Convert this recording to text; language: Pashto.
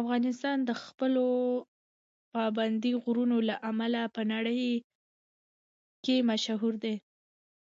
افغانستان د خپلو پابندي غرونو له امله په نړۍ کې مشهور دی.